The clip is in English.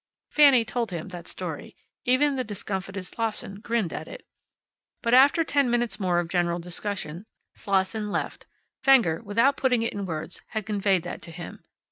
Fanny told him that story. Even the discomfited Slosson grinned at it. But after ten minutes more of general discussion Slosson left. Fenger, without putting it in words, had conveyed that to him.